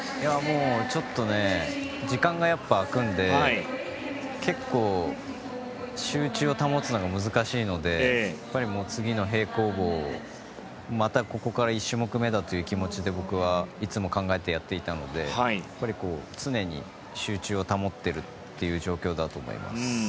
ちょっと時間が空くので結構、集中を保つのが難しいので次の平行棒、またここから１種目目だという気持ちで僕はいつも考えてやっていたので常に集中を保っているという状況だと思います。